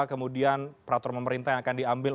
kemudian peraturan pemerintah yang akan diambil